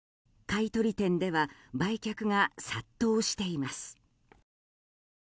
買い取り店では売却が殺到しています。